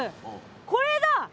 これだ！